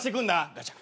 ガチャ。